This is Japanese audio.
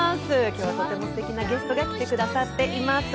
今日はとてもすてきなゲストが来てくださっています。